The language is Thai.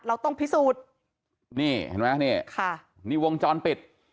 เราต้องพิสูจน์นี่เห็นไหมนี่ค่ะนี่วงจรปิด